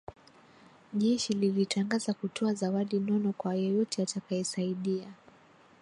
Jeshi lilitangaza kutoa zawadi nono kwa yeyote atakayesaidia